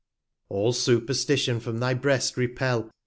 All Superstition from thy Breast repel.